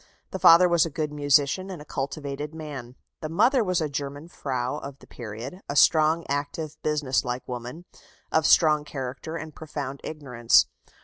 The father was a good musician, and a cultivated man. The mother was a German Frau of the period, a strong, active, business like woman, of strong character and profound ignorance.